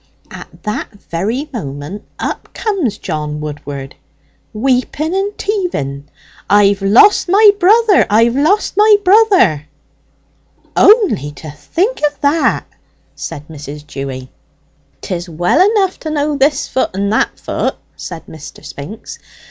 At that very moment up comes John Woodward, weeping and teaving, 'I've lost my brother! I've lost my brother!'" "Only to think of that!" said Mrs. Dewy. "'Tis well enough to know this foot and that foot," said Mr. Spinks.